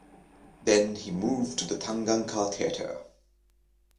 Then he moved to Taganka Theatre.